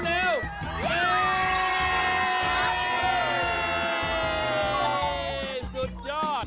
เย้สุดยอด